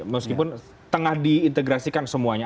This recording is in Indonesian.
meskipun tengah diintegrasikan semuanya